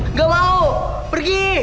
nggak mau pergi